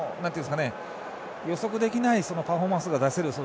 予測できないパフォーマンスが出せる。